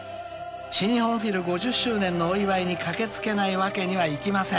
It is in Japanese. ［新日本フィル５０周年のお祝いに駆け付けないわけにはいきません］